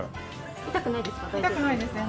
痛くないですか？